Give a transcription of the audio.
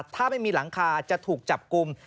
ถ้าไม่มีหลังคาจะถูกจับกลุ่ม